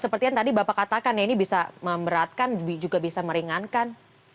seperti yang tadi bapak katakan ya ini bisa memberatkan juga bisa meringankan